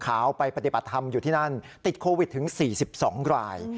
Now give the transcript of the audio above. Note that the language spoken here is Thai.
ไปปฏิบัติธรรมอยู่ที่นั่นติดโควิดถึง๔๒ราย